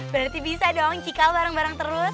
berarti bisa dong cikal bareng bareng terus